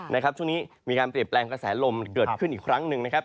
นะครับช่วงนี้มีการเปรียบแรงกระแสลมันเกิดขึ้นอีกครั้งนึงนะครับ